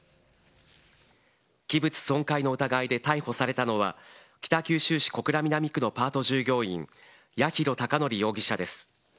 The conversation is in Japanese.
器物損壊の疑いで逮捕されたのは、北九州市小倉南区のパート従業員、八尋孝則容疑者です。